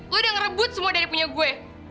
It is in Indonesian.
lo udah ngerebut semua dari punya gue